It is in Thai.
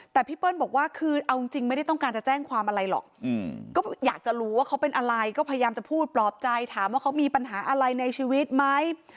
แต่พี่เปิ้ลบอกว่าคือเอาจริงไม่ได้ต้องการจะแจ้งความอะไรหรอกก็อยากจะรู้ว่าเขาเป็นอะไรก็พยายามจะพูดปลอบใจถามว่าเขามีปัญหาอะไรในชีวิตไหม